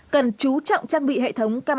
cần trú trọng trang bị hệ thống camera